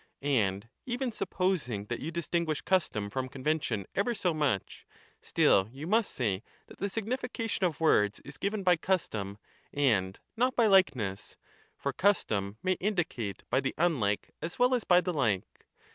And even supposing that you distinguish custom from convention ever so much, still you must say that the signification of words is given by custom and not by likeness, for custom may indicate by the unlike as well as by the like.